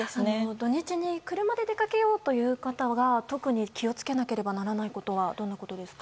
土日に車で出かけようという方は特に気を付けなければならないことはどんなことですか？